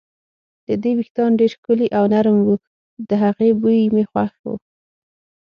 د دې وېښتان ډېر ښکلي او نرم وو، د هغې بوی مې خوښ و.